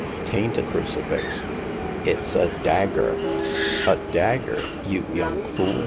Tain't a crucifix ; it's a dagger." " A dagger, you young fool